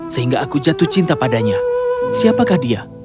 sehingga aku jatuh cinta padanya siapakah dia